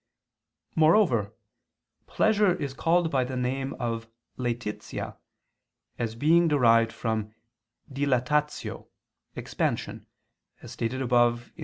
Moreover pleasure is called by the name of "laetitia" as being derived from "dilatatio" (expansion), as stated above (Q.